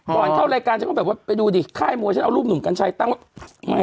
ก่อนเข้ารายการฉันก็แบบว่าไปดูดิค่ายมวยฉันเอารูปหนุ่มกัญชัยตั้งว่าไม่